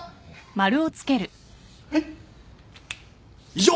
以上！